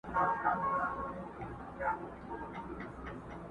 ستا د منزل د مسافرو قدر څه پیژني!!